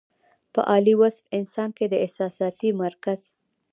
پۀ عالي وصف انسان کې د احساساتي مرکز